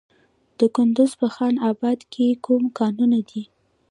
د کندز په خان اباد کې کوم کانونه دي؟